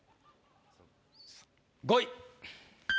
５位。